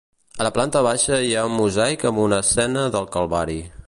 A la planta baixa hi ha un mosaic amb una escena del Calvari.